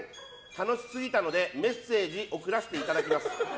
楽しすぎたのでメッセージ送らせていただきます。